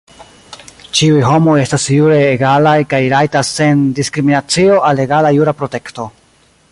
Ĉiuj homoj estas jure egalaj, kaj rajtas sen diskriminacio al egala jura protekto.